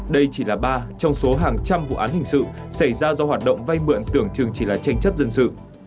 đây chỉ là ba trong số hàng trăm vụ án hình sự xảy ra do hoạt động vay mượn tưởng chừng chỉ là tranh chấp dân sự